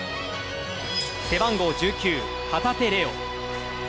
背番号１９・旗手怜央